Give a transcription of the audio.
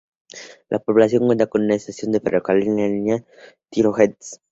La población cuenta con una estación de ferrocarril en la línea Krasnodar-Tijoretsk.